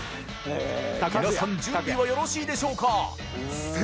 祿Г気準備はよろしいでしょうか？